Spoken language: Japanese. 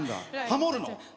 ハモるの？